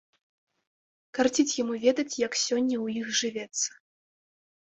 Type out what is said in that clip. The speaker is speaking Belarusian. Карціць яму ведаць, як сёння ў іх жывецца.